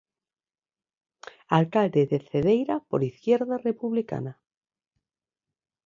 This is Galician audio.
Alcalde de Cedeira por Izquierda Republicana.